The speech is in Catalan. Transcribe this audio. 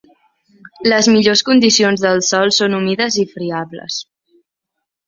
Les millors condicions del sòl són humides i friables.